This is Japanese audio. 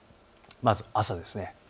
まず朝です。